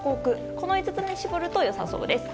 この５つに絞ると良さそうです。